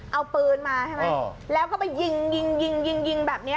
เอาปืนมาใช่ไหมอ๋อแล้วก็ไปยิงยิงยิงยิงยิงยิงแบบเนี้ย